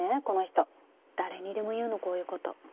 この人誰にでも言うのこういう事。